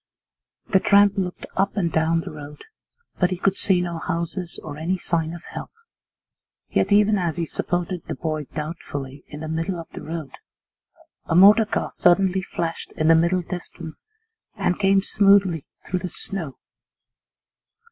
The tramp looked up and down the road, but he could see no houses or any sign of help. Yet even as he supported the boy doubtfully in the middle of the road a motor car suddenly flashed in the middle distance, and came smoothly through the snow.